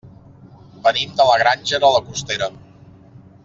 Venim de la Granja de la Costera.